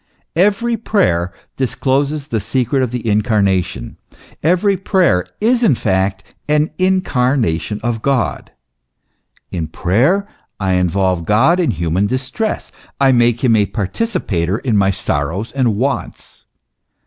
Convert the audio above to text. Every prayer dis closes the secret of the Incarnation, every prayer is in fact an incarnation of God. In prayer I involve God in human distress, I make him a participator in my sorrows and wants.